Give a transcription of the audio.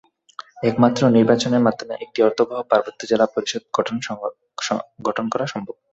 একমাত্র নির্বাচনের মাধ্যমে একটি অর্থবহ পার্বত্য জেলা পরিষদ গঠন করা সম্ভব।